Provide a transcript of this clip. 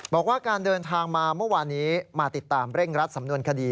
บอกว่าการเดินทางมาเมื่อวานนี้มาติดตามเร่งรัดสำนวนคดี